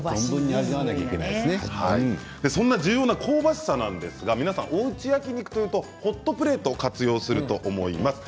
重要な香ばしさですがおうち焼き肉というとホットプレートを活用すると思います。